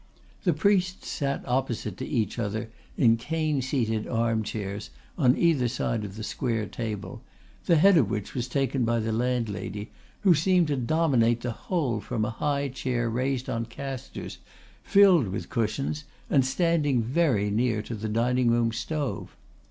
The priests sat opposite to each other in cane seated arm chairs on either side of the square table, the head of which was taken by the landlady, who seemed to dominate the whole from a high chair raised on casters, filled with cushions, and standing very near to the dining room stove.